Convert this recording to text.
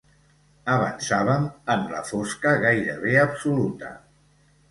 Avançàvem en la fosca gairebé absoluta